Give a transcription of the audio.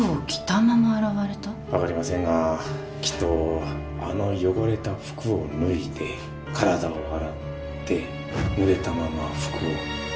分かりませんがきっとあの汚れた服を脱いで体を洗ってぬれたまま服を着た。